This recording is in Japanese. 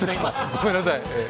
ごめんなさい。